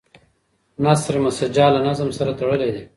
نثر مسجع له نظم سره تړلی دی.